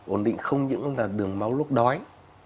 ổn định không những là đường máu lúc đói